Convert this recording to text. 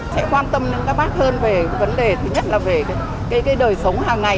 sẽ quan tâm đến các bác hơn về vấn đề thứ nhất là về đời sống hàng ngày